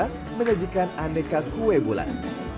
untuk menjajikan aneka kue bulan